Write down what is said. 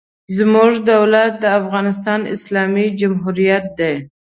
زموږ دولت د افغانستان اسلامي جمهوریت دی.